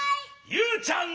ゆうちゃん！